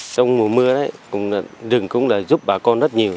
trong mùa mưa rừng cũng giúp bà con rất nhiều